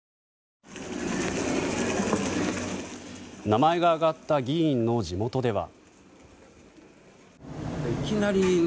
名前が挙がった議員の地元では。